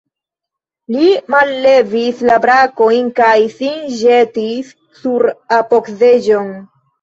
Li mallevis la brakojn kaj sin ĵetis sur apogseĝon.